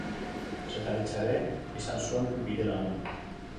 Kazetaritza ere izan zuen bidelagun.